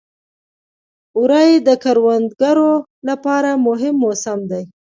وری د کروندګرو لپاره مهم موسم دی.